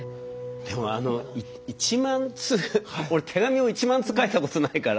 でもあの１万通俺手紙を１万通書いたことないから。